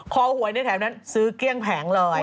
หวยในแถวนั้นซื้อเกลี้ยงแผงเลย